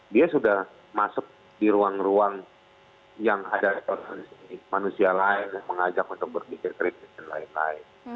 dia sudah masuk di ruang ruang yang ada manusia lain yang mengajak untuk berpikir kritis dan lain lain